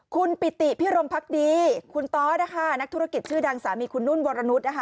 คุณปิติพิรมพักดีคุณตอสนะคะนักธุรกิจชื่อดังสามีคุณนุ่นวรนุษย์นะคะ